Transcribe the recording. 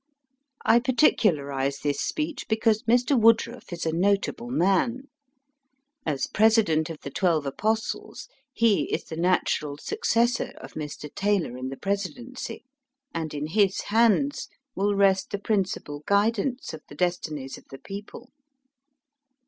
I particularize this speech because Mr. Woodruff is a notable man. As President of the Twelve Apostles he is the natural successor of Mr. Taylor in the presidency, and in his hands will rest the principal guidance of the destinies of the people.